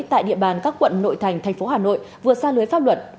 tại địa bàn các quận nội thành tp hà nội vừa xa lưới pháp luật